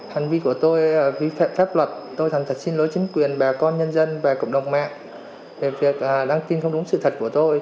hành vi của tôi phép luật tôi thẳng thật xin lỗi chính quyền bà con nhân dân và cộng đồng mạng về việc đăng tin không đúng sự thật của tôi